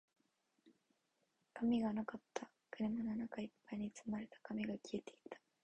紙がなかった。車の中一杯に積まれた紙が消えていた。